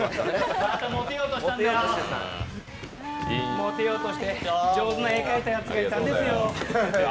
モテようとして上手な絵を描いたやつがいたんですよ。